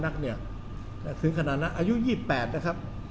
นักเนี่ยแต่ถึงขนาดนั้นอายุยี่แปดนะครับ